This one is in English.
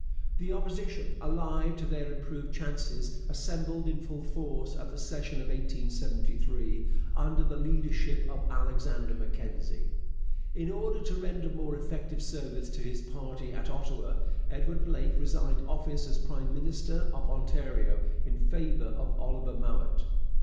[Illustration: Sir John A. Macdonald in 1872] The Opposition, alive to their improved chances, assembled in full force at the session of 1873, under the leadership of Alexander Mackenzie. In order to render more effective service to his party at Ottawa, Edward Blake resigned office as prime minister of Ontario in favour of Oliver Mowat.